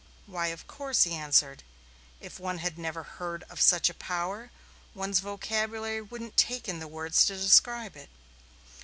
"Why, of course," he answered. "If one had never heard of such a power one's vocabulary wouldn't take in the words to describe it."